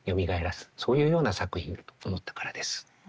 そういうような作品と思ったからです。